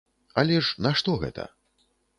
Але ж нашто гэта?